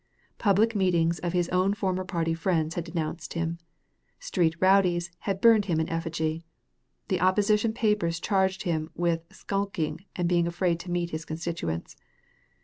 Public meetings of his own former party friends had denounced him. Street rowdies had burned him in effigy. The opposition papers charged him with skulking and being afraid to meet his constituents.